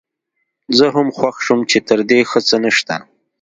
زه هم خوښ شوم چې تر دې ښه څه نشته.